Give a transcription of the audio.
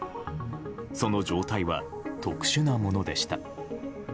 その状態は特殊なものでした。